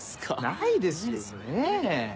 ないですよね。